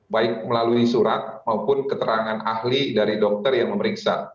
baik melalui surat maupun keterangan ahli dari dokter yang memeriksa